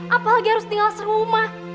apalagi harus tinggal serumah